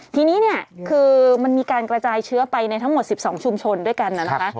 ทีนี้เนี่ยคือมันมีการกระจายเชื้อไปในทั้งหมด๑๒ชุมชนด้วยกันนะคะ